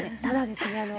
ただですね